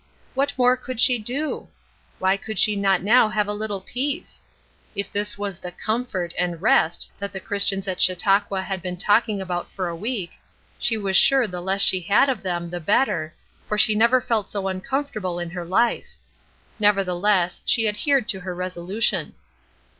What more could she do? Why could she not now have a little peace? If this was the "comfort" and "rest" that the Christians at Chautauqua had been talking about for a week, she was sure the less she had of them the better, for she never felt so uncomfortable in her life. Nevertheless, she adhered to her resolution.